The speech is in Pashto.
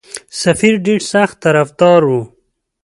سفیر ډېر سخت طرفدار وو.